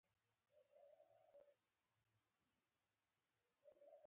الوتکه درې بجی ځي